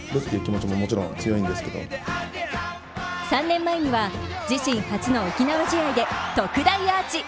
３年前には自身初の沖縄試合で特大アーチ。